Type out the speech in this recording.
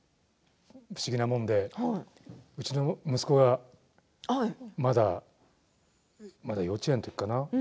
不思議なものでうちの息子がまだ幼稚園のときかな。